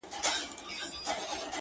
زما د زړه گلونه ساه واخلي.